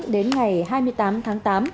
đến ngày hai mươi tám tháng tám